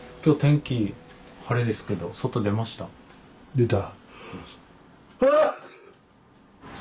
出た。